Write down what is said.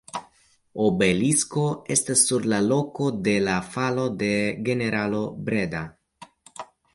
Obelisko estas sur la loko de la falo de generalo Breda.